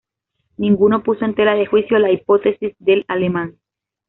Ninguno puso en tela de juicio la hipótesis del alemán.